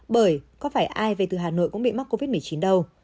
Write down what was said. bởi có phải ai về từ hà nội cũng bị mắc covid một mươi chín đâu